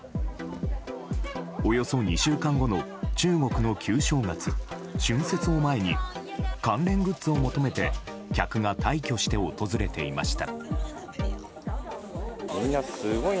およそ２週間後の中国の旧正月・春節を前に関連グッズを求めて客が大挙して訪れていました。